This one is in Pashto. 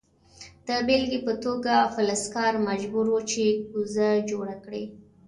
د بیلګې په توګه فلزکار مجبور و چې کوزه جوړه کړي.